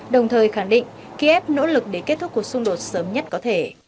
đồng thời khẳng định ký ép nỗ lực để kết thúc cuộc xung đột sớm nhất có thể